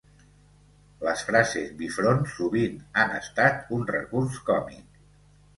Les frases bifront sovint han estat un recurs còmic.